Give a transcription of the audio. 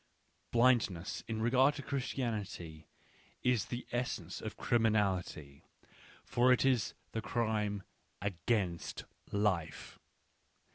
Blind n ess in regar d to^ Christianity is the essence of cHminality^—for it is the crime against life.